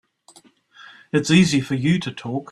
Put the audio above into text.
It's easy for you to talk.